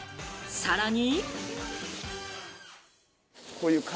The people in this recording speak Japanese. さらに。